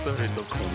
この